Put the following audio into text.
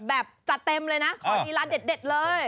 แบบจะเต็มเลยนะขอรีลาเด็ดเลย